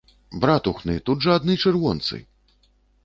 Братухны, тут жа адны чырвонцы!